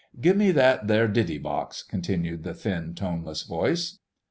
"Give me that there ditty box," continued the thin, toneless voice.